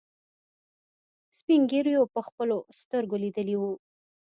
سپينږيرو په خپلو سترګو ليدلي وو.